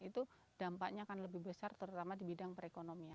itu dampaknya akan lebih besar terutama di bidang perekonomian